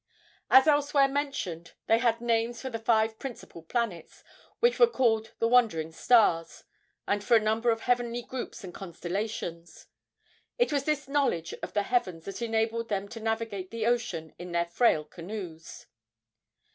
As elsewhere mentioned, they had names for the five principal planets, which they called "the wandering stars," and for a number of heavenly groups and constellations. It was this knowledge of the heavens that enabled them to navigate the ocean in their frail canoes.